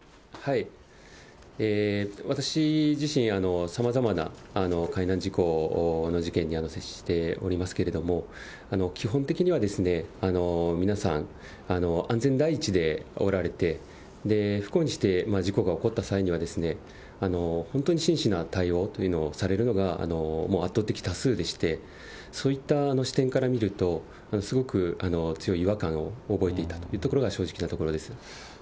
私自身、さまざまな海難事故の事件に接しておりますけれども、基本的には皆さん、安全第一でおられて、不幸にして事故が起こった際には、本当に真摯な対応というのをされるのがもう圧倒的多数でして、そういった視点から見ると、すごく強い違和感を覚えたというところが正直なところです。